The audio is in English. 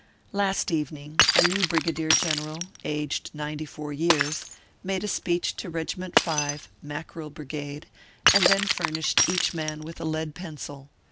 Last evening a new brigadier general, aged ninety four years, made a speech to Kegiment Five, Mackerel Brigade, and then furnished each man with a lead pencil.